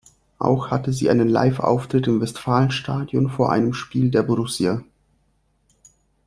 Auch hatte sie einen Live-Auftritt im Westfalenstadion vor einem Spiel der Borussia.